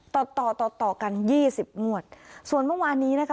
ต่อต่อต่อต่อต่อกันยี่สิบงวดส่วนเมื่อวานนี้นะคะ